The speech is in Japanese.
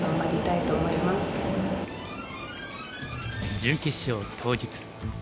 準決勝当日。